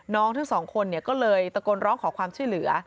ทั้งสองคนก็เลยตะโกนร้องขอความช่วยเหลือ